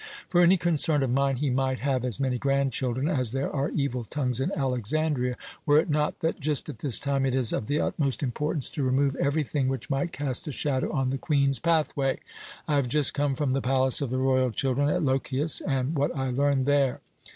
For any concern of mine he might have as many grandchildren as there are evil tongues in Alexandria, were it not that just at this time it is of the utmost importance to remove everything which might cast a shadow on the Queen's pathway. I have just come from the palace of the royal children at Lochias, and what I learned there.